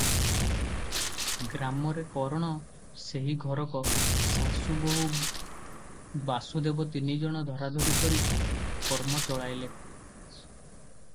ଗ୍ରାମରେ କରଣ ସେହି ଘରକ; ଶାଶୁ, ବୋହୂ, ବାସୁଦେବ ତିନିଜଣ ଧରାଧରି କରି କର୍ମ ଚଳାଇଲେ ।